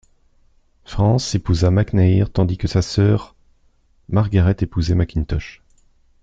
Frances épousa MacNair, tandis que sa sœur Margaret épousait Mackintosh.